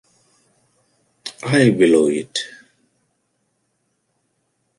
I blew it.